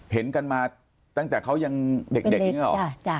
เห็นกันมาตั้งแต่เขายังเด็กอย่างนี้หรอ